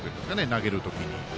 投げる時に。